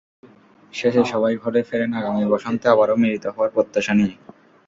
শেষে সবাই ঘরে ফেরেন আগামী বসন্তে আবারও মিলিত হওয়ার প্রত্যাশা নিয়ে।